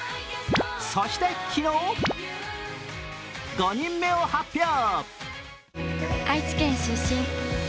そして昨日、５人目を発表。